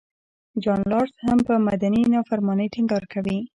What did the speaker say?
جان رالز هم پر مدني نافرمانۍ ټینګار کوي.